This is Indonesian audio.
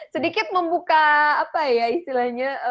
sedikit membuka apa ya istilahnya